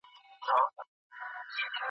د پرمختګ معیارونه څه دي؟